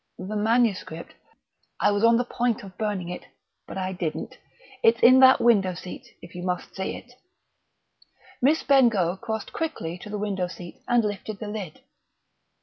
The manuscript? I was on the point of burning it, but I didn't. It's in that window seat, if you must see it." Miss Bengough crossed quickly to the window seat, and lifted the lid.